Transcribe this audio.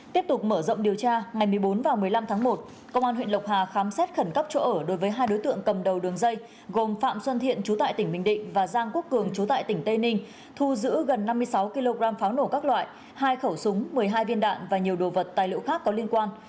tiếp tục mở rộng điều tra ngày một mươi bốn và một mươi năm tháng một công an huyện lộc hà khám xét khẩn cấp chỗ ở đối với hai đối tượng cầm đầu đường dây gồm phạm xuân thiện chú tại tỉnh bình định và giang quốc cường trú tại tỉnh tây ninh thu giữ gần năm mươi sáu kg pháo nổ các loại hai khẩu súng một mươi hai viên đạn và nhiều đồ vật tài liệu khác có liên quan